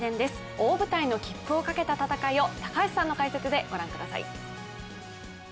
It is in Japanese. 大舞台の切符をかけた戦いを高橋さんの解説でご覧ください。